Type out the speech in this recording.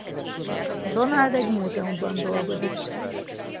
Donald egy múzeumban dolgozik.